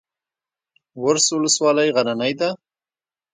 ورس ولسوالۍ غرنۍ ده؟